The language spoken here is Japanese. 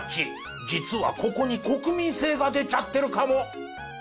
実はここに国民性が出ちゃってるかも。